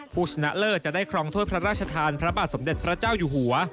ผู้ชนะเลิศจะได้ครองถ้วยพระราชทานพระบาทสมเด็จพระเจ้าอยู่หัว